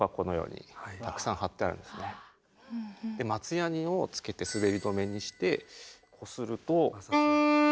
実は松ヤニをつけて滑り止めにしてこすると。